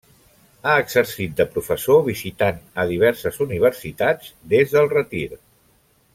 Ha exercit de professor visitant a diverses universitats des del retir.